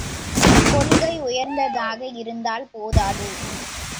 கொள்கை உயர்ந்ததாக இருந்தால் போதாது!